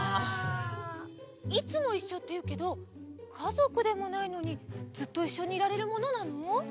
「いつもいっしょ」っていうけどかぞくでもないのにずっといっしょにいられるものなの？